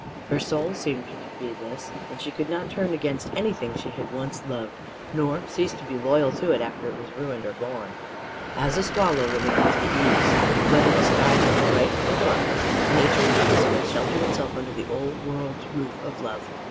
Her soul seemed to be this, that she could not turn against anything she once had loved, nor cease to be loyal to it after it was ruined or gone. As a swallow remembers the eaves whether the skies be bright or dark, the nature of Elizabeth sheltered itself under the old world's roof of love.